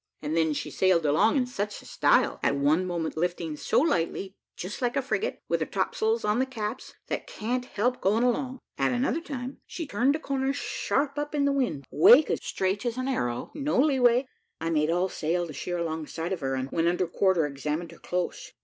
And then, she sailed along in such a style, at one moment lifting so lightly, just like a frigate, with her topsails on the caps, that can't help going along. At another time, as she turned a corner sharp up in the wind wake as straight as an arrow no leeway I made all sail to sheer alongside of her, and, when under quarter, examined her close.